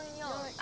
あ。